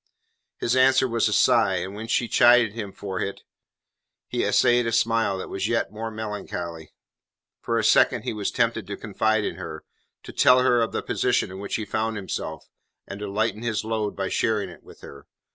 His answer was a sigh, and when she chid him for it, he essayed a smile that was yet more melancholy. For a second he was tempted to confide in her; to tell her of the position in which he found himself and to lighten his load by sharing it with her.